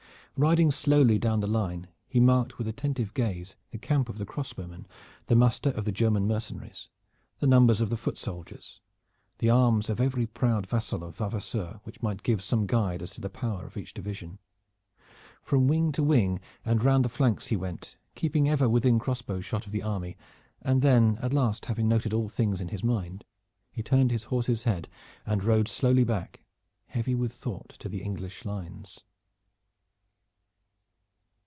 Riding slowly down the line he marked with attentive gaze the camp of the crossbowmen, the muster of the German mercenaries, the numbers of the foot soldiers, the arms of every proud vassal or vavasor which might give some guide as to the power of each division. From wing to wing and round the flanks he went, keeping ever within crossbow shot of the army, and then at last having noted all things in his mind he turned his horse's head and rode slowly back, heavy with thought, to the English lines.